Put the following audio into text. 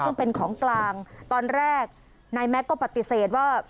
ซึ่งเป็นของกลางตอนแรกนายแม็กซ์ก็ปฏิเสธว่า